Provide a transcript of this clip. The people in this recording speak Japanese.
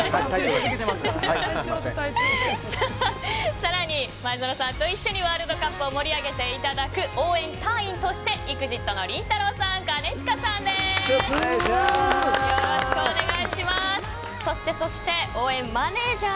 さらに前園さんと一緒にワールドカップを盛り上げていただく応援隊員としてＥＸＩＴのりんたろー。